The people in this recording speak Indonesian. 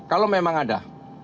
kalau memang ada